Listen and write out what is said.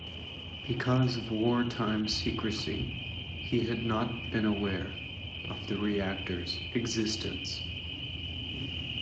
Because of wartime secrecy, he had not been aware of the reactor's existence.